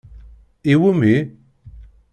Iwumi?